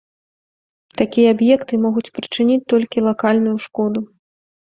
Такія аб'екты могуць прычыніць толькі лакальную шкоду.